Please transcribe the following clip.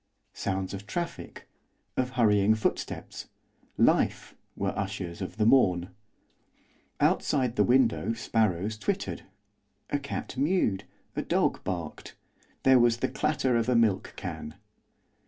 Sounds of traffic, of hurrying footsteps, life! were ushers of the morn. Outside the window sparrows twittered, a cat mewed, a dog barked there was the clatter of a milk can.